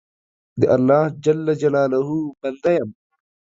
د الله جل جلاله بنده یم.